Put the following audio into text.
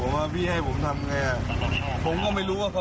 มันมีแม่เขาค่ะ